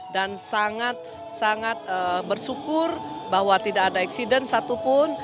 dan sangat sangat bersyukur bahwa tidak ada eksiden satupun